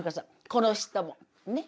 この人も。ね？